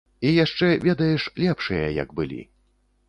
І яшчэ, ведаеш, лепшыя як былі.